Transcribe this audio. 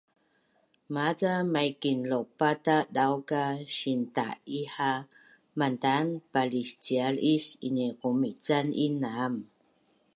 Maca maikin laupatadau ka sinta’i ha mantan paliscial is iniqumican inam